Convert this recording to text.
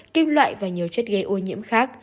kim loại và nhiều chất gây ô nhiễm khác